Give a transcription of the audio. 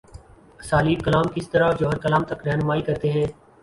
اسالیب کلام کس طرح جوہرکلام تک راہنمائی کرتے ہیں؟